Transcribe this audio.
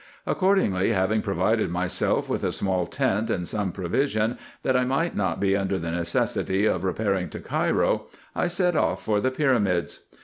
Accordingly having provided myself with a small tent, and some provision, that I might not be under the necessity of repairing to Cairo, I set off for the pyramids.